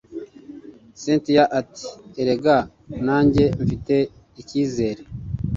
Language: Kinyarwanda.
cyntia ati erega nanjye mfite icyizere